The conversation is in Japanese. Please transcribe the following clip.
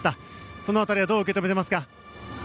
その辺りどう受け止めていますか？